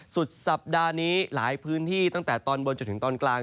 สุดสัปดาห์นี้หลายพื้นที่ตั้งแต่ตอนบนจนถึงตอนกลาง